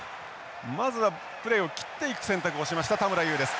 まずはプレーを切っていく選択をしました田村優です。